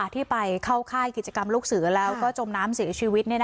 ที่ไปเข้าค่ายกิจกรรมลูกเสือแล้วก็จมน้ำเสียชีวิต